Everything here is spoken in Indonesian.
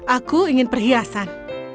aku ingin perhiasan